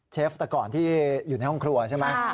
ฟแต่ก่อนที่อยู่ในห้องครัวใช่ไหม